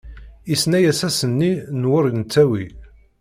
Isenna-yas asenni n wur nettawi.